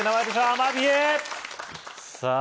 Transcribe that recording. アマビエさぁ